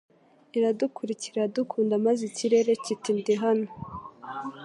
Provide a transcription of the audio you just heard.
Iradukurikira aradukunda maze ikirere kiti Ndi hano